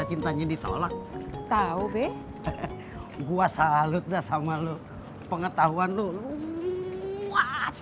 cinta gue buatan ini udah kandas